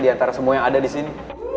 diantara semua yang ada disini